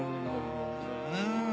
うん！